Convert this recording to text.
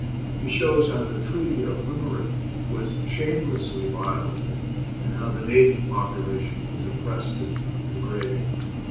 He shows how the Treaty of Limerick was shamelessly violated, and how the native population was oppressed and degraded.